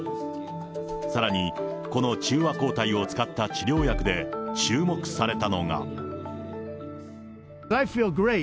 さらに、この中和抗体を使った治療薬で注目されたのが。